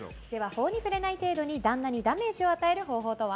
法に触れない程度に旦那にダメージを与える方法とは。